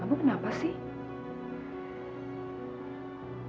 kamu kenapa sih